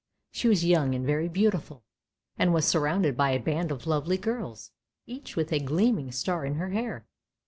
She was young and very beautiful, and was surrounded by a band of lovely girls, each with a gleaming star in her hair.